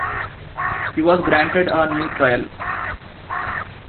He was granted a new trial.